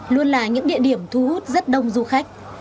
luôn là những địa điểm thu hút rất đông du khách